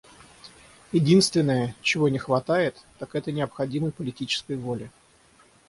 Единственное, чего не хватает, так это необходимой политической воли.